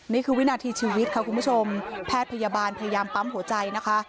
นี่คือวินาทีชีวิตค่ะคุณผู้ชมแพทย์พยาบาลพยายามปั๊มหัวใจนะคะ